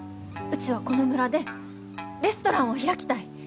うちはこの村でレストランを開きたい！